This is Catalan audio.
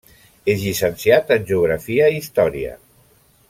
És llicenciat en Geografia i Història.